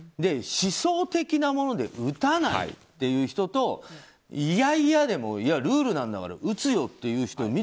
思想的なもので打たないっていう人といやいやでもルールなんだから打つよっていう人。